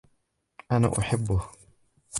أنا أحبه.